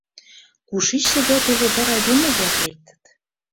Кушеч тыгай пелодар айдеме-влак лектыт?